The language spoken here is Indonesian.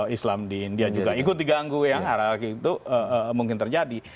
islam di india juga ikut diganggu yang mungkin terjadi